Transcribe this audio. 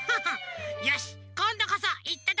よしこんどこそいっただきます！